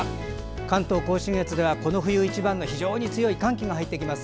関東・甲信越ではこの冬一番の非常に強い寒気が入ってきます。